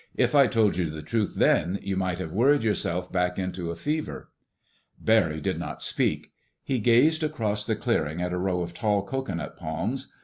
If I'd told you the truth then, you might have worried yourself back into a fever." Barry did not speak. He gazed across the clearing at a row of tall cocoanut palms.